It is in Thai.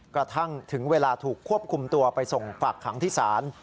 กระทั่งถึงเวลาถูกควบคุมตัวไปส่งฝากขังที่ศาล